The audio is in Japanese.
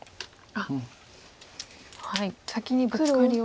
先にブツカリを。